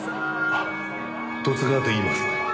あっ十津川といいます。